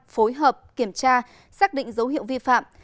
phối hợp kiểm tra xác định dấu hiệu vi phạm